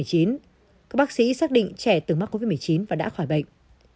các bác sĩ xác định trẻ từng mắc covid một mươi chín và đã khỏi bệnh